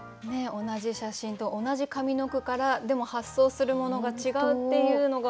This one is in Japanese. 同じ写真と同じ上の句からでも発想するものが違うっていうのが面白いですよね。